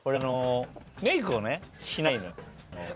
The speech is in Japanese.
メイクをねしないのよ。